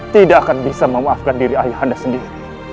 tidak akan bisa memaafkan diri ayah anda sendiri